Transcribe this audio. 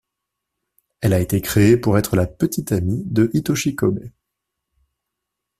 Elle a été créée pour être la petite amie de Hitoshi Kôbe.